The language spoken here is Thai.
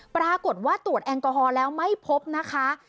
ปรากฏว่าตรวจแอลกอฮอล์แล้วไม่พบนะคะ